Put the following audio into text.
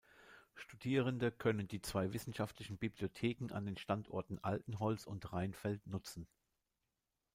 Studierende können die zwei wissenschaftlichen Bibliotheken an den Standorten Altenholz und Reinfeld nutzen.